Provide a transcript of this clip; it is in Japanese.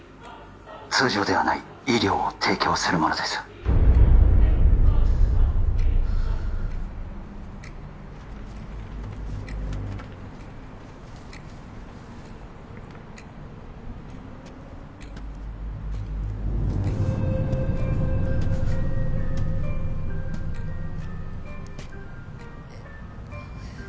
通常ではない医療を提供する者ですえっ